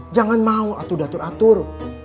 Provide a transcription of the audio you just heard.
jangan mau atur atur atur